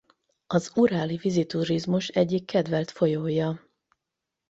Az uráli vízi turizmus egyik kedvelt folyója.